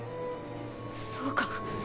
そうか！